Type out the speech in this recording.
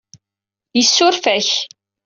Yessuref-ak.